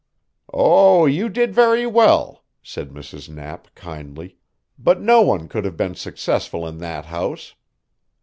"Oh, you did very well," said Mrs. Knapp kindly, "but no one could have been successful in that house.